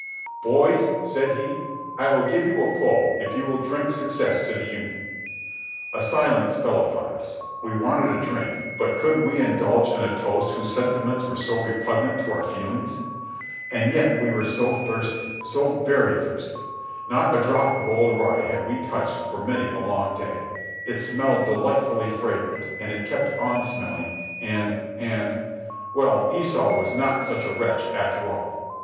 "Boys," said he, "I will give you a pull if you will drink success to the Union." A silence fell upon us ; we wanted a drink, but could we indulge in a toast whose sentiments were so repugnant to our feelings? And yet we were so thirsty ! so very thirsty ! not a drop of old rye had we touched for many a long day; it smelled delightfully fragrant and it kept on smelling, and — and — Well, Esau was not such a wretch after all